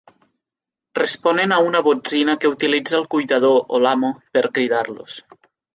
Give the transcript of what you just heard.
Responen a una botzina que utilitza el cuidador o l'amo per cridar-los.